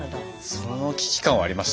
その危機感はありました。